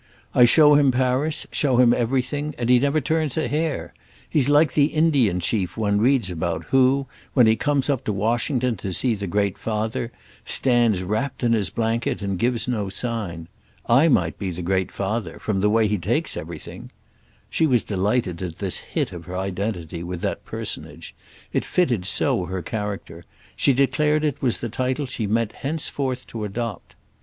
I show him Paris, show him everything, and he never turns a hair. He's like the Indian chief one reads about, who, when he comes up to Washington to see the Great Father, stands wrapt in his blanket and gives no sign. I might be the Great Father—from the way he takes everything." She was delighted at this hit of her identity with that personage—it fitted so her character; she declared it was the title she meant henceforth to adopt.